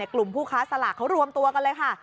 กลุ่มผู้ค้าสลากเขารวมตัวกันเลยค่ะ